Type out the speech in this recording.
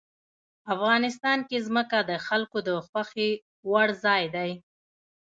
افغانستان کې ځمکه د خلکو د خوښې وړ ځای دی.